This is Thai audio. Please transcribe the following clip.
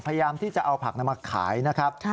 พยายามที่จะเอาผักมาขายนะครับ